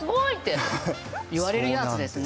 言われるやつですね。